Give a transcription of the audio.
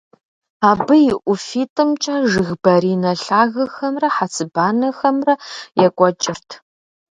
Абы и ӀуфитӀымкӀэ жыг баринэ лъагэхэмрэ хьэцыбанэхэмрэ екӀуэкӀырт.